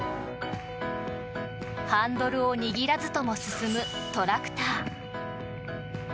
ハンドルを握らずとも進むトラクター。